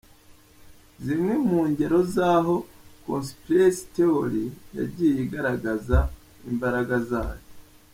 Zimwe mu ngero z’aho “ Conspiracy Theory” yagiye igaragaza imbaraga zayo .